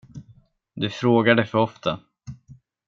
Du frågar det för ofta.